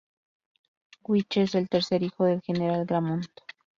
Guiche es el tercer hijo del general Gramont.